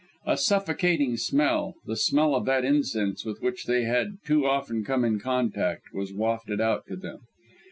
A suffocating smell the smell of that incense with which they had too often come in contact, was wafted out to them.